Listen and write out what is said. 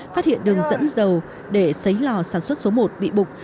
phát hiện đường dẫn dầu để xấy lò sản xuất số một bị bục